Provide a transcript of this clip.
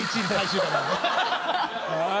はい。